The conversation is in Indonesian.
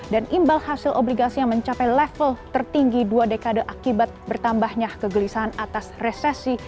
dan imbal hasil obligasi yang mencapai level tertinggi dua dekade akibat bertambahnya kegelisahan atas resesi